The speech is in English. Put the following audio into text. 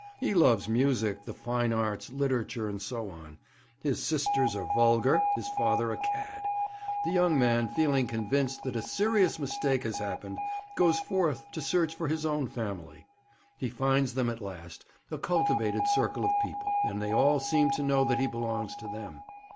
He loves music, the fine arts, literature, and so on. His sisters are vulgar, his father a cad. The young man, feeling convinced that a serious mistake has happened, goes forth to search for his own family. He finds them at last, a cultivated circle of people, and they all seem to know that he belongs to them.